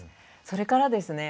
それからですね